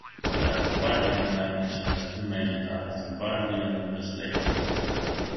The Kabardian language has two major dialects; Kabardian and Besleney.